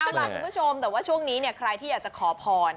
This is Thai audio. สวัสดีคุณผู้ชมแต่ว่าช่วงนี้ใครที่อยากจะขอพร